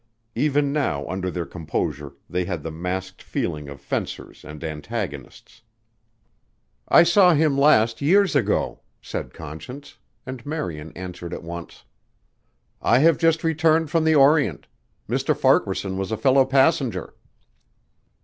Even now under their composure they had the masked feeling of fencers and antagonists. "I saw him last years ago," said Conscience, and Marion answered at once, "I have just returned from the Orient. Mr. Farquaharson was a fellow passenger."